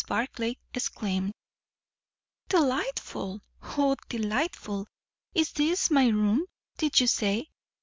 Barclay exclaimed, "Delightful! O, delightful! Is this my room, did you say?